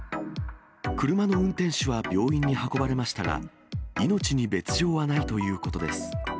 車の運転手は病院に運ばれましたが、命に別状はないということです。